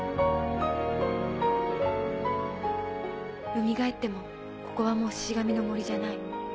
よみがえってもここはもうシシ神の森じゃない。